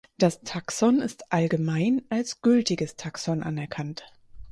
Das Taxon ist allgemein als gültiges Taxon anerkannt.